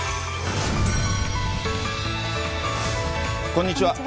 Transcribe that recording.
こんにちは。